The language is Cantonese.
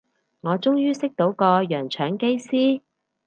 我終於識到個洋腸機師